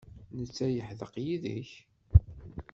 Netta yeḥdeq yid-k?